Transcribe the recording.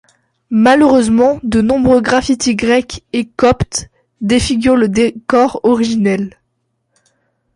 Malheureusement, de nombreux graffitis grecs et coptes défigurent le décor originel.